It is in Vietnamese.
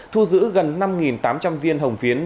thu giữ gần năm tám trăm linh viên hồng phiến